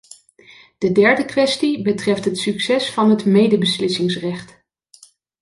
De derde kwestie betreft het succes van het medebeslissingsrecht.